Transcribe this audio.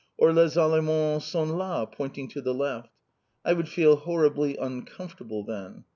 Or "Les Allemands sont là," pointing to the left. I would feel horribly uncomfortable then.